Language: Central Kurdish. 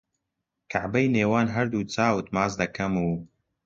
کەعبەی نێوان هەردوو چاوت ماچ دەکەم و